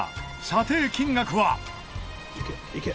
査定金額は。